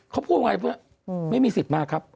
เขาพูดว่าไม่มีสิทธิ์มาครับ